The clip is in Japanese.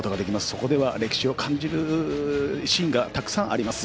そこでは歴史を感じるシーンがたくさんあります。